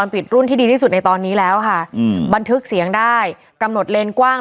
ปิดรุ่นที่ดีที่สุดในตอนนี้แล้วค่ะอืมบันทึกเสียงได้กำหนดเลนกว้าง